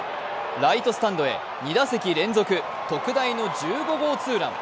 ライトスタンドへ２打席連続、特大の１５号ツーラン。